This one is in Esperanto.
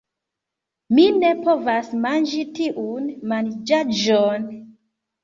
Mi ne povas manĝi tiun manĝaĵon.